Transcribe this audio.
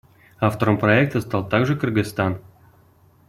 Автором проекта стал также Кыргызстан.